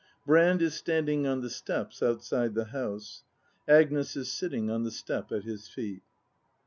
Brand is standing on the steps outside the house. Agnes is sitting on the step at his feet.